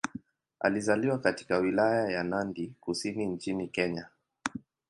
Alizaliwa katika Wilaya ya Nandi Kusini nchini Kenya.